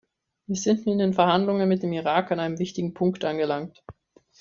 Wir sind in den Verhandlungen mit dem Irak an einem wichtigen Punkt angelangt.